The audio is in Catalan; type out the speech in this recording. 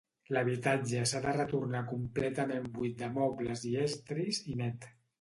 L'habitatge s'ha de retornar completament buit de mobles i estris, i net.